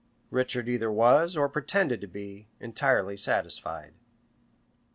Richard either was, or pretended to be, entirely satisfied.